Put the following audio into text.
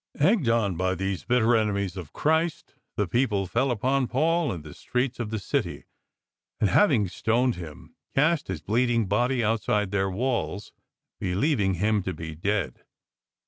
Egged on by these bitter enemies of Christ, the people fell upon Paul in the streets of the city, and having stoned him, cast his bleeding body outside their walls, believing him to be dead.